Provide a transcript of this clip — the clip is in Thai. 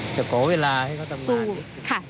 ขอเวลาให้เขาทำงาน